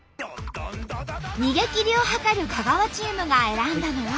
逃げきりを図る香川チームが選んだのは。